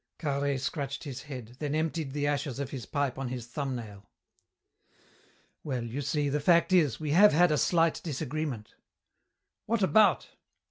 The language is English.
Carhaix scratched his head, then emptied the ashes of his pipe on his thumbnail. "Well, you see, the fact is, we have had a slight disagreement." "What about?"